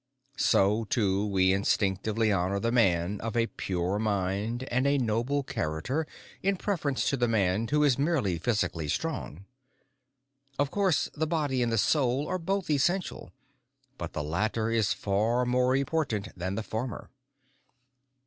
So too, we instinctively honour the man of a pure mind and a noble character in preference to the man who is merely physically strong. Of course, the body and the soul are both essential, but the latter is far more important than the former.